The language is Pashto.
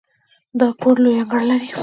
دا کور لوی انګړ لري.